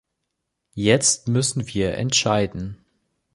Jetzt müssen wir entscheiden.